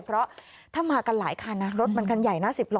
เพราะถ้ามากันหลายคันนะรถมันคันใหญ่นะ๑๐ล้อ